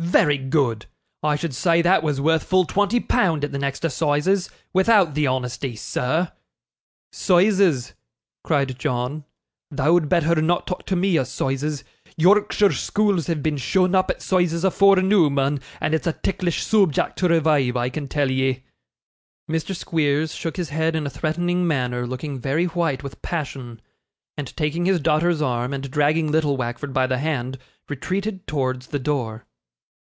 'Very good. I should say that was worth full twenty pound at the next assizes, without the honesty, sir.' ''Soizes,' cried John, 'thou'd betther not talk to me o' 'Soizes. Yorkshire schools have been shown up at 'Soizes afore noo, mun, and it's a ticklish soobjact to revive, I can tell ye.' Mr. Squeers shook his head in a threatening manner, looking very white with passion; and taking his daughter's arm, and dragging little Wackford by the hand, retreated towards the door.